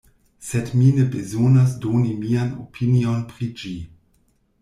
Sed mi ne bezonas doni mian opinion pri ĝi.